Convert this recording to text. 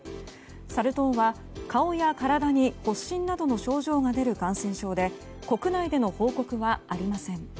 サル痘は顔や体に発疹などが出る感染症で国内での報告はありません。